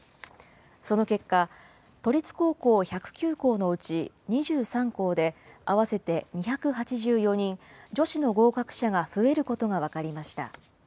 その結果、都立高校１０９校のうち２３校で合わせて２８４人、女子の合格者が増えることが分かりました。